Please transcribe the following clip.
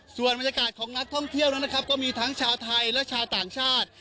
ส่วนบรรยากาศของนักท่องเที่ยวนั้นนะครับก็มีทั้งชาวไทยและชาวต่างชาติ